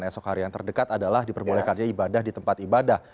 esok hari yang terdekat adalah diperbolehkannya ibadah di tempat ibadah